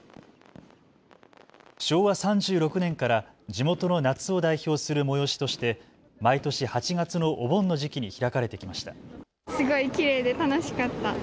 昭和３６年から地元の夏を代表する催しとして毎年８月のお盆の時期に開かれてきました。